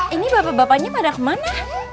ini bapak bapaknya pada kemana